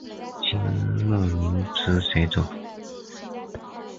清末民初学者。